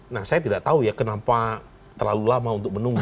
nah saya tidak tahu ya kenapa terlalu lama untuk menunggu